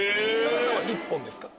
橋さんは１本ですか？